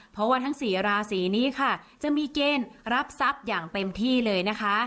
เพราะว่าทั้ง๔ราศีนี้ค่ะจะมีเกณฑ์รับทรัพย์อย่างเต็มที่เลยนะคะ